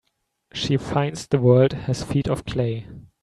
She finds the world has feet of clay.